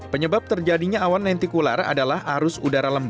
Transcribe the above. sebab terjadinya awan lentikular adalah arus udara lembab